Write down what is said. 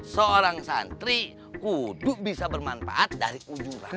seorang santri kuduk bisa bermanfaat dari ujung rambut